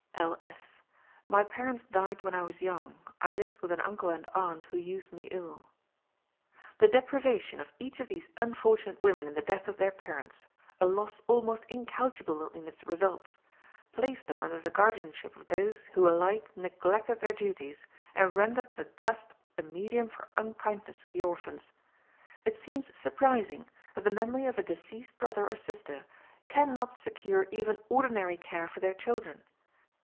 L. S.: "My parents died when I was young. I lived with an uncle and aunt, who used me ill." The deprivation of each of these unfortunate women in the death of their parents, a loss almost incalculable in its results, placed them under the guardianship of those who alike neglected their duties and rendered the trust a medium for unkindness to the orphans. It seems surprising that the memory of a deceased brother or sister can not secure even ordinary care for their children.